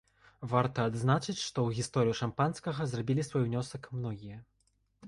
Варта адзначыць, што ў гісторыю шампанскага зрабілі свой унёсак многія.